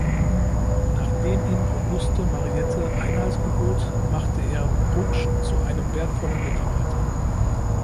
Nachdem ihm Auguste Mariette Einhalt gebot, machte er Brugsch zu einem wertvollen Mitarbeiter.